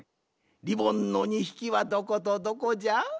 リボンの２ひきはどことどこじゃ？